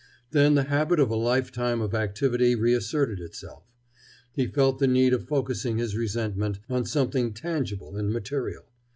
Then the habit of a lifetime of activity reasserted itself. He felt the need of focusing his resentment on something tangible and material.